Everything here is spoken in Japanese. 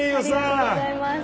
ありがとうございます。